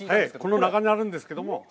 この中にあるんですけども。